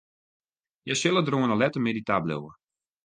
Hja sille der oan 'e lette middei ta bliuwe.